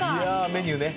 メニューね。